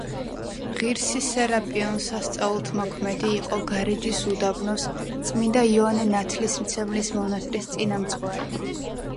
ღირსი სერაპიონ სასწაულთმოქმედი იყო გარეჯის უდაბნოს წმინდა იოანე ნათლისმცემლის მონასტრის წინამძღვარი.